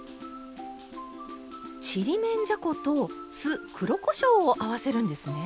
ちりめんじゃこと酢黒こしょうを合わせるんですね！